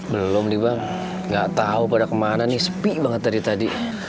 belum nih bang gak tahu pada kemana nih sepi banget tadi tadi